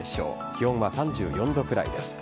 気温は３４度くらいです。